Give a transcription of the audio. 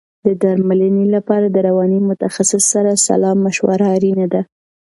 د درملنې لپاره د رواني متخصص سره سلا مشوره اړینه ده.